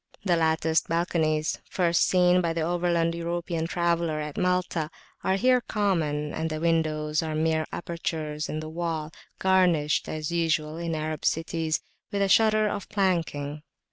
The latticed balconies, first seen by the overland European traveller at Malta, are here common, and the windows are [p.393]mere apertures in the wall, garnished, as usual in Arab cities, with a shutter of planking.